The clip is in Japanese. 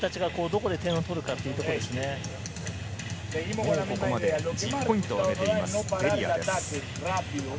ここまで１０ポイントを上げています、デリアです。